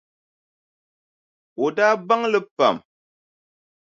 O daa baŋ li pam.